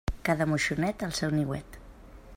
Cada moixonet, el seu niuet.